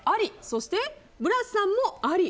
そして、ブラスさんもあり。